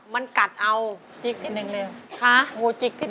ไม่เคยมีความฝากนี่